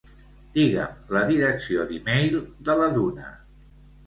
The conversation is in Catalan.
Digue'm la direcció d'e-mail de la Duna.